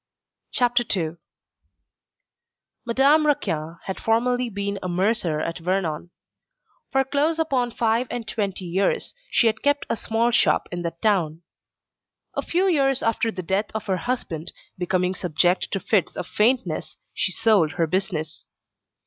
CHAPTER II Madame Raquin had formerly been a mercer at Vernon. For close upon five and twenty years, she had kept a small shop in that town. A few years after the death of her husband, becoming subject to fits of faintness, she sold her business.